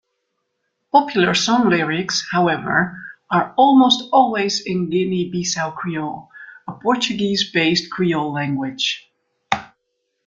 Popular song lyrics, however, are almost always in Guinea-Bissau Creole, a Portuguese-based creole language.